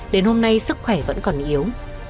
đến hôm nay sức khỏe vẫn còn yếu